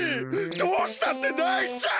どうしたってないちゃう！